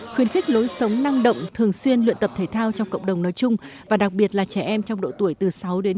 khuyến khích lối sống năng động thường xuyên luyện tập thể thao trong cộng đồng nói chung và đặc biệt là trẻ em trong độ tuổi từ sáu đến một mươi bảy tuổi nói riêng